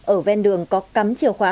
ở ven đường có cắm chiều khóa